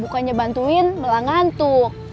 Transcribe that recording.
bukannya bantuin malah ngantuk